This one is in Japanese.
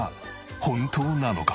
本当なのか？